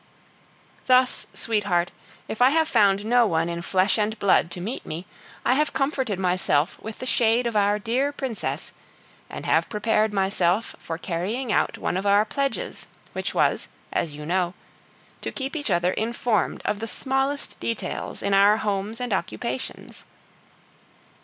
Thus, sweetheart, if I have found no one in flesh and blood to meet me, I have comforted myself with the shade of the dear Princess, and have prepared myself for carrying out one of our pledges, which was, as you know, to keep each other informed of the smallest details in our homes and occupations.